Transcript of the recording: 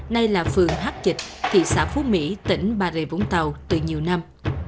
nay là phường hát dịch thị xã phú mỹ tỉnh bà rịa vũng tàu từ nhiều năm